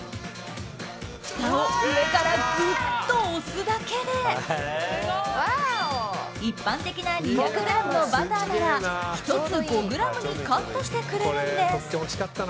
ふたを上からぐっと押すだけで一般的な２００ｇのバターなら１つ、５ｇにカットしてくれるんです。